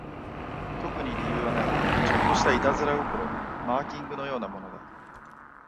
特に理由はない、ちょっとした悪戯心、マーキングのようなものだ